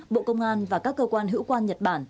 bộ công an và các cơ quan hữu quan nhật bản